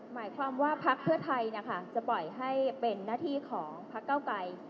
หมายความว่าพักเพื่อไทยนะคะจะปล่อยให้เป็นหน้าที่ของพักเก้าไกร